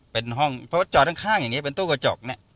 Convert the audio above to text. เป็นห้องเพราะว่าจอดข้างอย่างนี้เป็นตู้กระจกเนี่ย